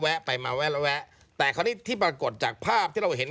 ไปมาแวะแล้วแวะแต่คราวนี้ที่ปรากฏจากภาพที่เราเห็น